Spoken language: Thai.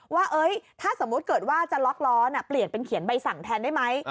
ว่าถ้าสมมุติเกิดว่าจะล็อกล้อเปลี่ยนเป็นเขียนใบสั่งแทนได้ไหม